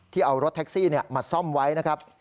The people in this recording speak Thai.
เอารถแท็กซี่มาซ่อมไว้นะครับ